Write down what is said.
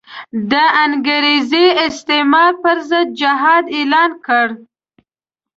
د انګریزي استعمار پر ضد جهاد اعلان کړ.